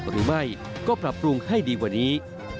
หรือไม่ก็ปรับปรุงให้ดีกว่านี้